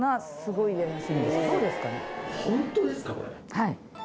はい。